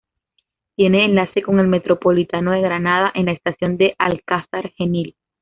Tiene enlace con el Metropolitano de Granada en la estación de Alcázar Genil.